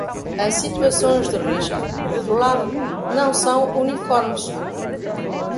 As situações de risco, por outro lado, não são uniformes.